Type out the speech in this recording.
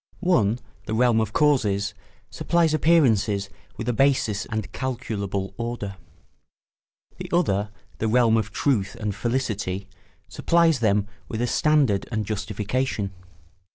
One—the realm of causes—supplies appearances with a basis and calculable order; the other—the realm of truth and felicity—supplies them with a standard and justification.